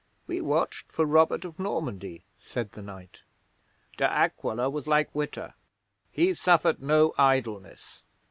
'We watched for Robert of Normandy,' said the knight. 'De Aquila was like Witta. He suffered no idleness.